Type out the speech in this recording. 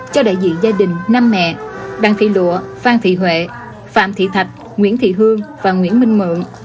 cho đại diện gia đình năm mẹ đặng thị lụa phan thị huệ phạm thị thạch nguyễn thị hương và nguyễn minh mượn